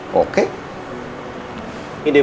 bukan itu itu apa